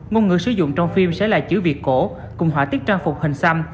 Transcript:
ngôn ngữ sử dụng trong phim sẽ là chữ việt cổ cùng họa tiết trang phục hình xăm